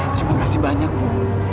terima kasih banyak ibu